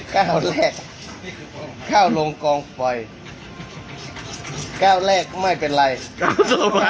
ข้าวแรกข้าวลงกองปล่อยข้าวแรกไม่เป็นไรข้าวต่อไป